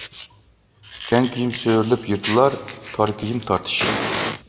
كەڭ كىيىم سۆرىلىپ يىرتىلار، تار كىيىم تارتىشىپ.